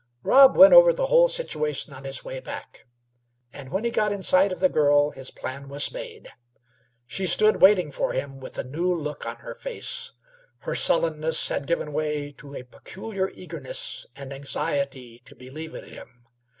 Rob went over the whole situation on his way back, and when he got in sight of the girl his plan was made. She stood waiting for him with a new look on her face. Her sullenness had given way to a peculiar eagerness and anxiety to believe in him.